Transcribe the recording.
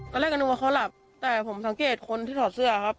ตอนแรกก็นึกว่าเขาหลับแต่ผมสังเกตคนที่ถอดเสื้อครับ